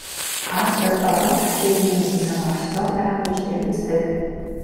Австрид одоо ч фашизмын үзэл санаа оршсоор байгаа гэж тэр үздэг.